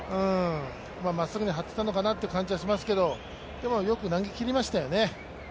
まっすぐに張っていたのかなという感じはしますけど、でもよく投げきりましたよね。